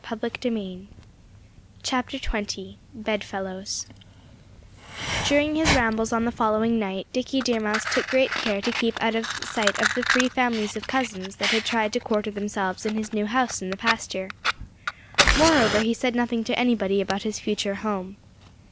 XX BEDFELLOWS During his rambles on the following night Dickie Deer Mouse took great care to keep out of sight of the three families of cousins that had tried to quarter themselves in his new house in the pasture. Moreover he said nothing to anybody about his future home.